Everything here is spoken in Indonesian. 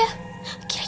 ya ini tuh doang